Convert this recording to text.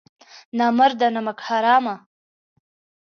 نامرده نمک حرامه!